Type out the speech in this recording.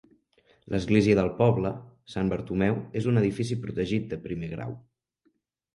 L'església del poble, Sant Bartomeu, és un edifici protegit de primer grau.